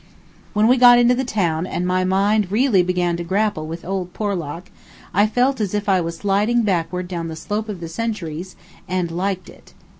When we got into the town, and my mind really began to grapple with old Porlock, I felt as if I was sliding backward down the slope of the centuries, and liked it.